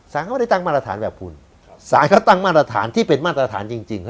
เขาไม่ได้ตั้งมาตรฐานแบบคุณสารเขาตั้งมาตรฐานที่เป็นมาตรฐานจริง